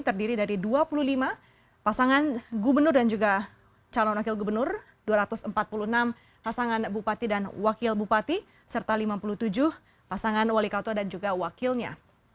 terdiri dari dua puluh lima pasangan gubernur dan juga calon wakil gubernur dua ratus empat puluh enam pasangan bupati dan wakil bupati serta lima puluh tujuh pasangan wali kota dan juga wakilnya